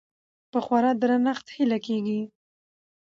په خورا درنښت هيله کيږي